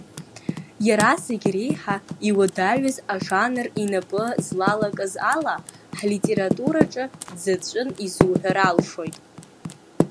Иара зегь реиҳа иуадаҩыз ажанр инапы злалакыз ала, ҳлитератураҿыы дзаҵәын изуҳәар алшоит.